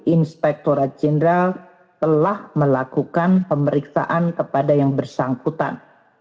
inspektora jenderal telah melakukan pemeriksaan kepada yang bersangkutan